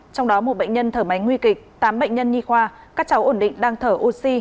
trong đó một bệnh nhân thở máy nguy kịch tám bệnh nhân nhi khoa các cháu ổn định đang thở oxy